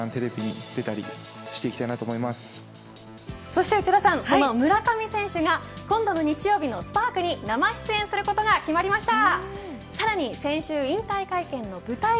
そして内田さん、村上選手が今度の日曜日のＳ‐ＰＡＲＫに生出演することが決まりました。